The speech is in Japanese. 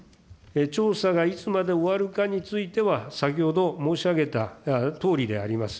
調査がいつまで終わるかについては、先ほど申し上げたとおりであります。